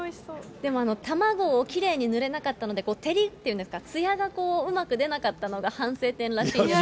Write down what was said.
でも、卵をきれいに塗れなかったので、照りっていうんですか、つやがこう、うまく出なかったのが反省点らしいです。